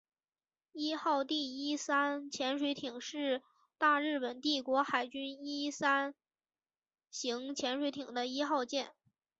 伊号第一三潜水舰是大日本帝国海军伊一三型潜水艇的一号舰。